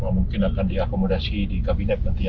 mungkin akan diakomodasi di kabinet nanti ya